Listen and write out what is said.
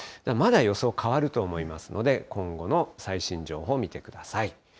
まだ予想、変わると思いますので、今後の最新情報、見てください。